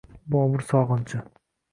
Bobur sog‘inchi